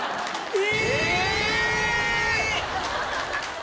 え‼